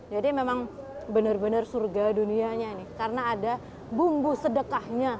jadi memang benar benar surga dunianya nih karena ada bumbu sedekahnya